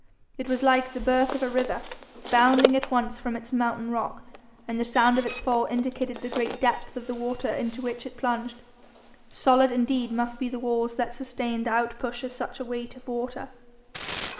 It was like the birth of a river, bounding at once from its mountain rock, and the sound of its fall indicated the great depth of the water into which it plunged. Solid indeed must be the walls that sustained the outpush of such a weight of water!